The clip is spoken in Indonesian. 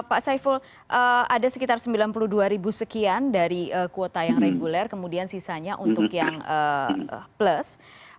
pak saiful ada sekitar sembilan puluh dua ribu sekian dari kuota yang reguler kemudian sisanya untuk yang plus